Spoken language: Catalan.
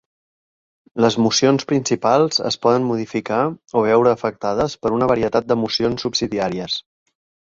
Les mocions principals es poden modificar o veure afectades per una varietat de mocions subsidiàries.